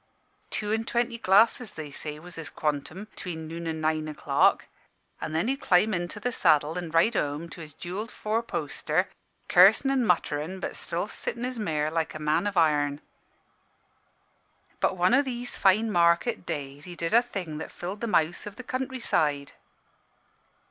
Two an' twenty glasses, they say, was his quantum' between noon an' nine o'clock; an' then he'd climb into saddle an' ride home to his jewelled four poster, cursin' an' mutterin', but sittin' his mare like a man of iron. "But one o' these fine market days he did a thing that filled the mouths o' the country side.